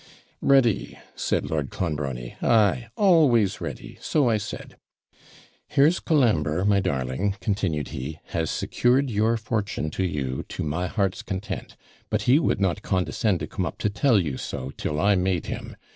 'Ready!' said Lord Clonbrony; 'ay, always ready so I said. Here's Colambre, my darling,' continued he, 'has secured your fortune to you to my heart's content; but he would not condescend to come up to tell you so, till I made him.